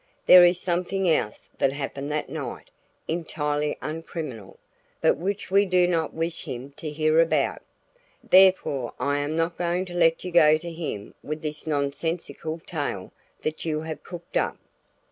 There is something else that happened that night entirely uncriminal but which we do not wish him to hear about. Therefore I am not going to let you go to him with this nonsensical tale that you have cooked up."